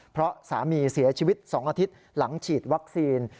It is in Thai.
เพราะสามีเสียชีวิต๒อาทิตย์หลังฉีดวัคซีน